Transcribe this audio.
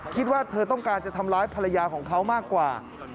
คิดว่าเธอต้องการจะทำร้ายภรรยาของเขามากกว่า